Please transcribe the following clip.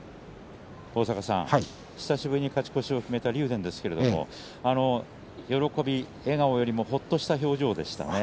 久しぶりに勝ち越しを決めた竜電ですけれども喜び、笑顔よりもほっとした表情でしたね。